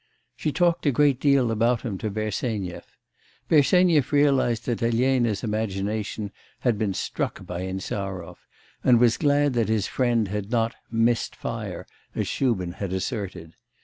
She talked a great deal about him to Bersenyev. Bersenyev realised that Elena's imagination had been struck by Insarov, and was glad that his friend had not 'missed fire' as Shubin had asserted.